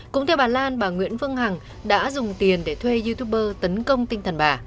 cũng theo bà lan bà nguyễn phương hằng đã dùng tiền để thuê youtuber tấn công tinh thần bà